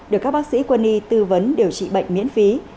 được các bác sĩ quân y tư vấn điều trị bệnh miễn phí